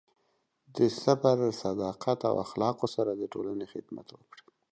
د صبر، صداقت، او اخلاقو سره د ټولنې خدمت وکړئ.